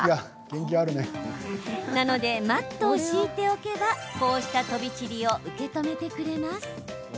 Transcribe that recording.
なので、マットを敷いておけばこうした飛び散りを受け止めてくれます。